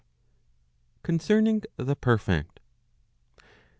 Concerning the Perfect.